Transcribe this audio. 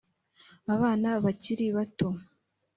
abana bakiri bato